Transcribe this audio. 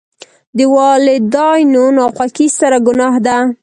د والداینو ناخوښي ستره ګناه ده.